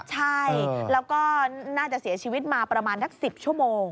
ใช่แล้วก็น่าจะเสียชีวิตมาประมาณสัก๑๐ชั่วโมง